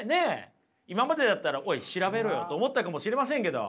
今までだったらおい調べろよと思ったかもしれませんけど。